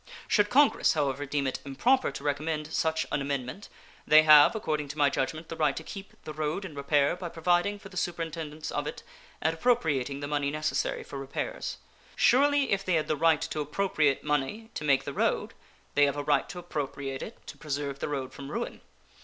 Should Congress, however, deem it improper to recommend such an amendment, they have, according to my judgment, the right to keep the road in repair by providing for the superintendence of it and appropriating the money necessary for repairs. Surely if they had the right to appropriate money to make the road they have a right to appropriate it to preserve the road from ruin.